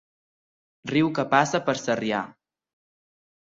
Riu que passa per Sarrià.